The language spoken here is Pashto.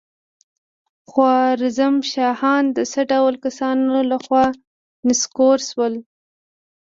خوارزم شاهان د څه ډول کسانو له خوا نسکور شول؟